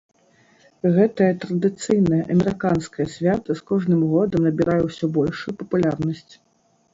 Гэтае традыцыйнае амерыканскае свята з кожным годам набірае ўсё большую папулярнасць.